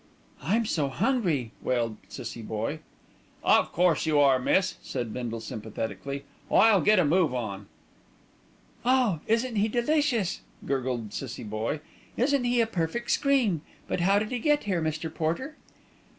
"I'm so hungry," wailed Cissie Boye. "Of course you are, miss," said Bindle sympathetically. "I'll get a move on." "Oh! isn't he delicious," gurgled Cissie Boye. "Isn't he a perfect scream; but how did he get here, Mr. Porter?"